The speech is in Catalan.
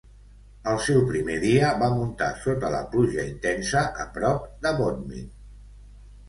El seu primer dia, va muntar sota la pluja intensa a prop de Bodmin.